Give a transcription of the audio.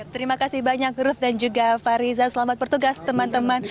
terima kasih banyak ruth dan juga fariza selamat bertugas teman teman